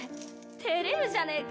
照れるじゃねえか